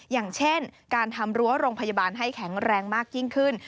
อย่างเช่นการทำรั้วโรงพยาบาลให้แข็งแรงมากยิ่งขึ้น